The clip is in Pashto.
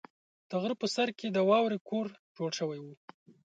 د غره په سر کې د واورې کور جوړ شوی و.